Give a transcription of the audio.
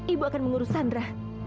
ibu akan mengurus sandra